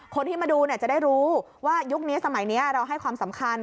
คนที่มาดูจะได้รู้ว่ายุคนี้สมัยนี้เราให้ความสำคัญ